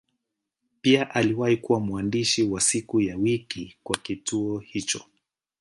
Pia aliwahi kuwa mwandishi wa siku ya wiki kwa kituo hicho.